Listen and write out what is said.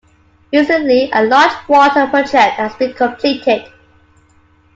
Recently a large water project has been completed.